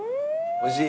おいしい？